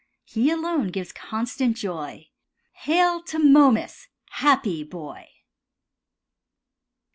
He alone gives constant joy. Hail to Momus, happy boy.